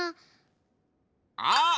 あっ！